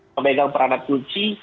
memegang peranat kunci